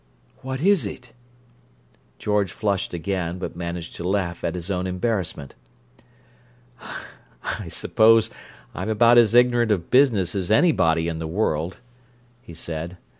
"What is it?" George flushed again, but managed to laugh at his own embarrassment. "I suppose I'm about as ignorant of business as anybody in the world," he said.